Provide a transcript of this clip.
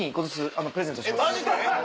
マジで？